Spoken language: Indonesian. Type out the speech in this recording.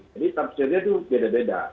jadi tafsirnya itu beda beda